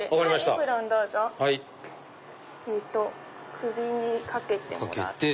首にかけてもらって。